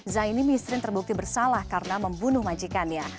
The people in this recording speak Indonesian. zaini misrin terbukti bersalah karena membunuh majikannya